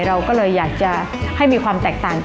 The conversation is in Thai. เราก็เลยอยากจะให้มีความแตกต่าง